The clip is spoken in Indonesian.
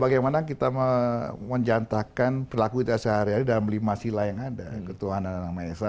bagaimana kita menjantakan perilaku kita sehari hari dalam lima sila yang ada ketua anak anak maesah